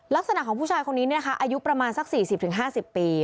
ลักษณะของผู้ชายคนนี้อายุประมาณสัก๔๐๕๐ปี